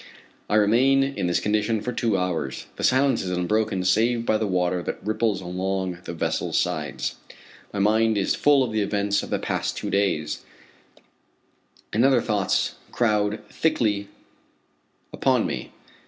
I remain in this condition for two hours. The silence is unbroken save by the water that ripples along the vessel's sides. My mind is full of the events of the past two days, and other thoughts crowd thickly upon me.